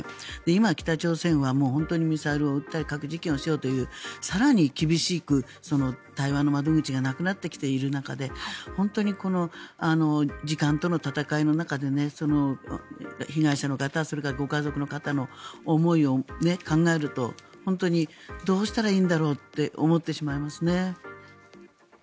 今、北朝鮮は本当にミサイルを撃ったり核実験をしようという更に厳しく、対話の窓口がなくなってきている中で本当に、この時間との闘いの中で被害者の方それからご家族の方の思いを考えると本当にどうしたらいいんだろうと思ってしまいますね。